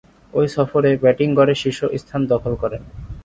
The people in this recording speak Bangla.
ঐ সফরে ব্যাটিং গড়ে শীর্ষ স্থান দখল করেন।